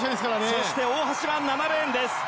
そして大橋が７レーンです。